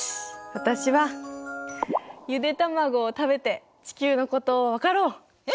私はゆで卵を食べて地球のことを分かろう！